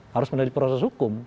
harus melalui proses hukum